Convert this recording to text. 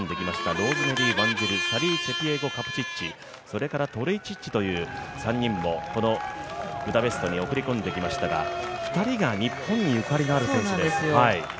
ローズメリー・ワンジル、サリーチェピエゴ・カプチッチ、それから、３人もこのブダペストに送り込んできましたが、２人が日本にゆかりのある選手。